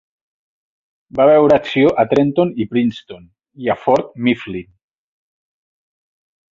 Va veure acció a Trenton i Princeton, i a Fort Mifflin.